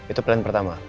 itu plan pertama